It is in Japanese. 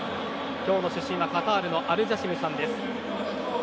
今日の主審はカタールのアルジャシムさんです。